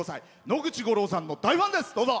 野口五郎さんの大ファンです。